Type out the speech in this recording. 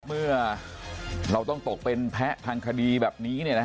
เมื่อเราต้องตกเป็นแพ้ทางคดีแบบนี้